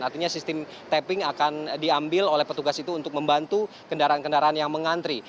artinya sistem tapping akan diambil oleh petugas itu untuk membantu kendaraan kendaraan yang mengantri